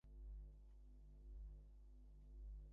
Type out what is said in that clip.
এই কথা শুনে আমরা সন্দীপবাবুকে বলেছিলুম, চক্রবর্তীকে আমরা বয়কট করব।